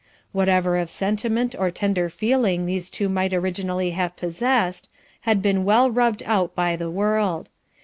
Whatever of sentiment or tender feeling these two might originally have possessed had been well rubbed out by the world.